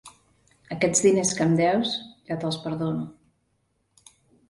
Aquests diners que em deus, ja te'ls perdono.